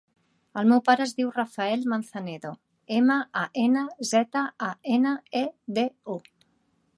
El meu pare es diu Rafael Manzanedo: ema, a, ena, zeta, a, ena, e, de, o.